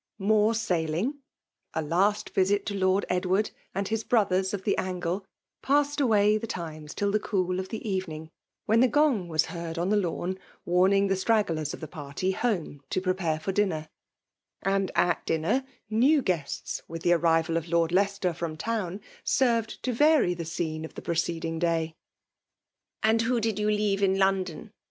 More sailing, a last visit to Lord Edward, and his brothers of the angle, passed away the time till the cool of the evening; when the gong was heard on the lawn, warning the stragglers of the party home to prepare for dinner; — and at dinner new guests, with the arrival of Lord Leicester from town, served to vary the scene of the preceding day. " And who did you leave in London